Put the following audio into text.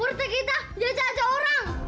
horta kita jajak seorang